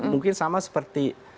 mungkin sama seperti